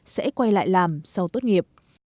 sẽ quay lại làm sau tốt nghiệp